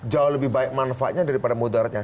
jauh lebih banyak manfaatnya daripada moderatnya